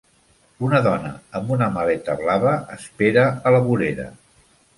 Una dona amb una maleta blava espera a la vorera.